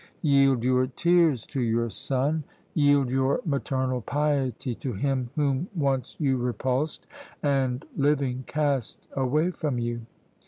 Yield your tears to your son; yield your maternal piety to him whom once you repulsed, and, living, cast away from you!